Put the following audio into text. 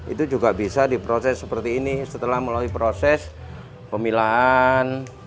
itu juga bisa diproses seperti ini setelah melalui proses pemilahan